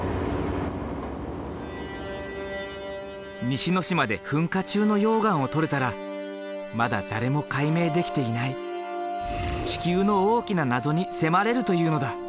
西之島で噴火中の溶岩を採れたらまだ誰も解明できていない地球の大きな謎に迫れるというのだ。